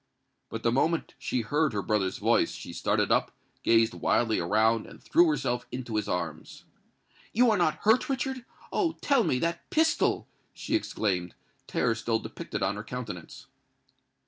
But the moment she heard her brother's voice, she started up, gazed wildly around, and threw herself into his arms. "You are not hurt, Richard? Oh! tell me—that pistol!" she exclaimed, terror still depicted on her countenance.